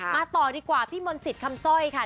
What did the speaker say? ต่อดีกว่าพี่มนต์สิทธิ์คำสร้อยค่ะ